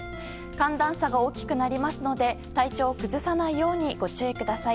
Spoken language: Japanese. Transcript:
寒暖差が大きくなりますので体調を崩さないようにご注意ください。